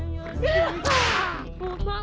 yang ini bangun bangun